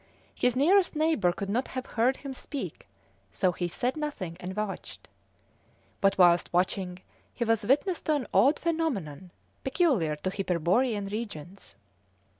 His nearest neighbour could not have heard him speak, so he said nothing and watched; but whilst watching he was witness to an odd phenomenon, peculiar to hyperborean regions.